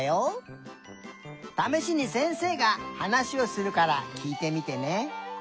ためしにせんせいがはなしをするからきいてみてね。